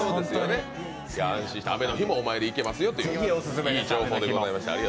安心して雨の日もお参りに行けますよという、いい情報でした